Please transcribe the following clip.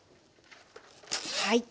はい。